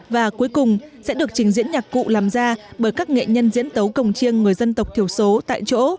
và cuối cùng sẽ được trình diễn nhạc cụ làm ra bởi các nghệ nhân diễn tấu cồng chiêng người dân tộc thiểu số tại chỗ